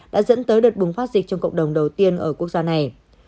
đã dẫn tới đợt bùng phát dịch trong cộng đồng đầu tiên ở quốc gia này